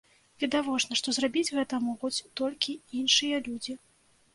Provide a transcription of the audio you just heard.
Відавочна, што зрабіць гэта могуць толькі іншыя людзі.